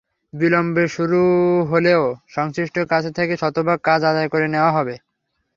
বিলম্বে শুরু হলেও সংশ্লিষ্টদের কাছ থেকে শতভাগ কাজ আদায় করে নেওয়া হবে।